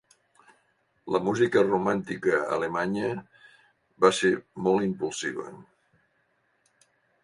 La música romàntica alemanya va ser molt impulsiva.